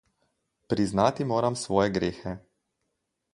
Priznati moram svoje grehe.